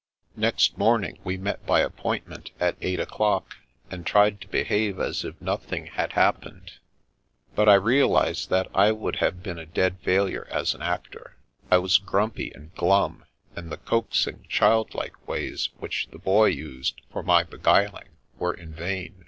Next morning we met by appointment at eight o'clock, and tried to behave as if nothing had happened ; but I realised that I would have been a dead failure as an actor. I was grumpy and glum, and the coaxing, child like ways which the Boy used for my beguiling were in vain.